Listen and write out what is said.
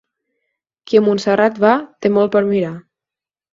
Qui a Montserrat va, té molt per mirar.